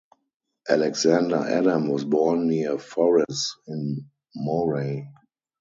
Alexander Adam was born near Forres, in Moray.